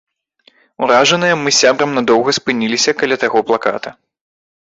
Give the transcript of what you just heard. Уражаныя, мы з сябрам надоўга спыніліся каля таго плаката.